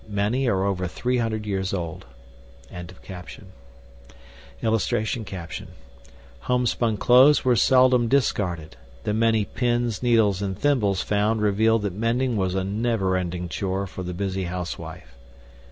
MANY ARE OVER 300 YEARS OLD.] [Illustration: HOMESPUN CLOTHES WERE SELDOM DISCARDED. THE MANY PINS, NEEDLES, AND THIMBLES FOUND REVEAL THAT MENDING WAS A NEVER ENDING CHORE FOR THE BUSY HOUSEWIFE.